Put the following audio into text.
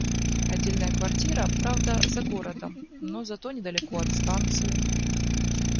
Отдельная квартира, правда за городом, но зато недалеко от станции.